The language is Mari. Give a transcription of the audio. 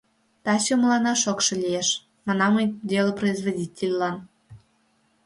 — Таче мыланна шокшо лиеш, — манам мый делопроизводительлан.